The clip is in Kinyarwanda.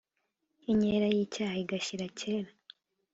Inkera y'icyaha igashyira kera